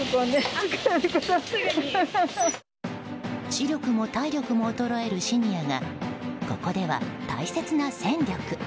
視力も体力も衰えるシニアがここでは大切な戦力。